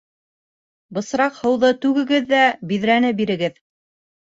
Бысраҡ һыуҙы түгегеҙ ҙә биҙрәне бирегеҙ